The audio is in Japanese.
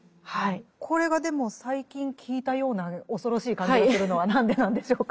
これがでも最近聞いたような恐ろしい感じがするのは何でなんでしょうか。